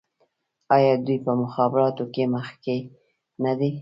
آیا دوی په مخابراتو کې مخکې نه دي؟